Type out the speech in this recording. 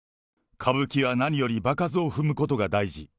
歌舞伎は何より場数を踏むことが大事。